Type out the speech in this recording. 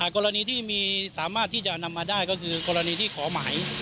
กรณีที่มีสามารถที่จะนำมาได้ก็คือกรณีที่ขอหมาย